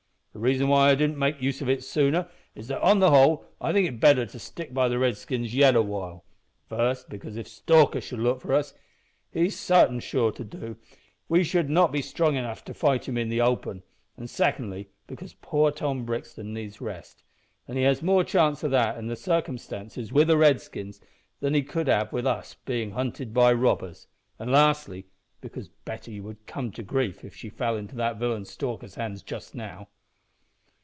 The reason why I didn't make use of it sooner is that on the whole, I think it better to stick by the Redskins yet awhile first, because if Stalker should look for us, as he's sartin sure to do, we would not be strong enough to fight him in the open; and, secondly, because poor Tom Brixton needs rest, and he has more chance o' that in the circumstances, wi' the Redskins than he could have with us while being hunted by robbers; and, lastly, because Betty would come to grief if she fell into that villain Stalker's hands just now."